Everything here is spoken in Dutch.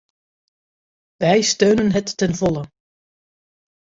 Wij steunen het ten volle.